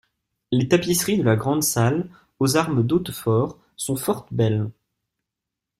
Les tapisseries de la grande salle, aux armes d'Hautefort sont fort belles.